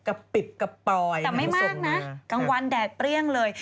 กระปิบกระป๋อยแต่ไม่มากนะกลางวันแดดเปรี้ยงเลย